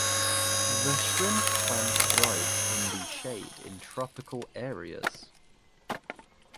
The shrimp plant thrives in the shade in tropical areas.